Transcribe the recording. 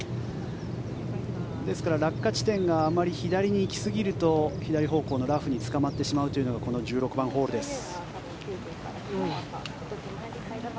ですから、落下地点があまり左に行き過ぎると左方向のラフにつかまってしまうというのがこの１６番ホールです。